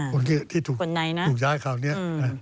คนที่ถูกย้ายคราวนี้